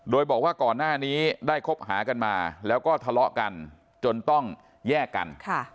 โดยบอกว่าก่อนหน้านี้ได้คบหากันมาแล้วก็ทะเลาะกันจนต้องแยกกัน